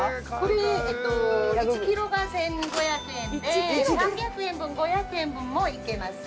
１ｋｇが１，５００円で３００円分５００円分もいけます。